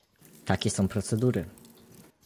Takie są procedury